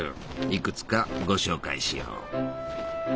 いくつかご紹介しよう。